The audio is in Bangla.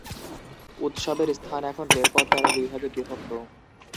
উৎসবের স্থান এখন রেলপথ দ্বারা দুই ভাগে বিভক্ত।